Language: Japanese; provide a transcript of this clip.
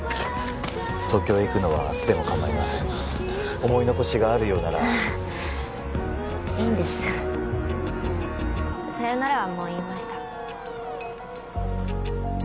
東京へ行くのは明日でも構いません思い残しがあるようならいいんですさよならはもう言いました